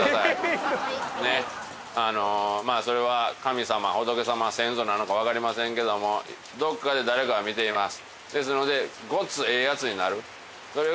それは神様仏様先祖なのかわかりませんけどもですのでやと思います